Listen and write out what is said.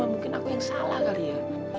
mungkin aku yang salah kali ya